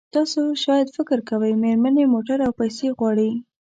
تاسو شاید فکر کوئ مېرمنې موټر او پیسې غواړي.